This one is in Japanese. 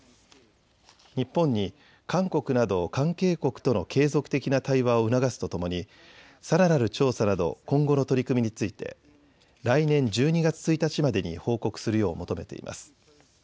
日本に韓国など関係国との継続的な対話を促すとともにさらなる調査など今後の取り組みについて来年１２月１日までに報告するよう求めています。